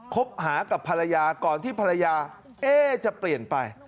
คบหากับภรรยาก่อนที่ภรรยาจะเปลี่ยนไป